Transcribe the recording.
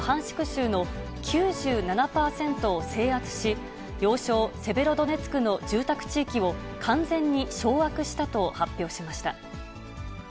州の９７％を制圧し、要衝セベロドネツクの住宅地域を完全に掌握したと発表しました。